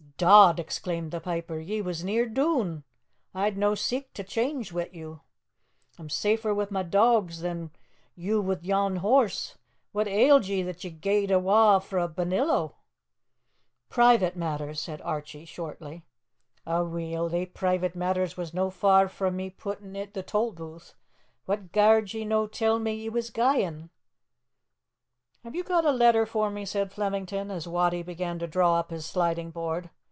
"Dod!" exclaimed the piper, "ye was near doon! A'd no seek to change wi' you. A'm safer wi' ma' doags than you wi' yon horse. What ailed ye that ye gae'd awa' frae Balnillo?" "Private matters," said Archie shortly. "Aweel, they private matters was no far frae putting me i' the tolbooth. What gar'd ye no tell me ye was gaein'?" "Have you got a letter for me?" said Flemington, as Wattie began to draw up his sliding board.